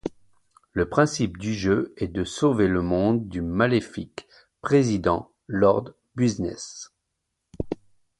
Le principe du jeu est de sauver le monde du maléfique Président Lord Business.